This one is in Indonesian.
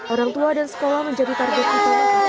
orang tua dan sekolah menjadi target utama